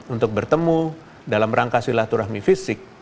untuk bertemu dalam rangka silaturahmi fisik